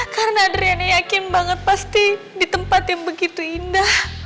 karena adriana yakin banget pasti di tempat yang begitu indah